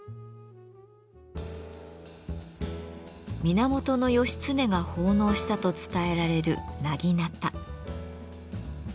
源義経が奉納したと伝えられる薙刀。